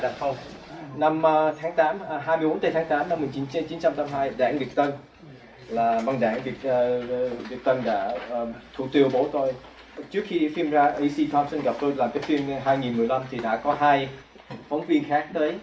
nhưng mà sau khi cái phim hai nghìn một mươi năm ra đó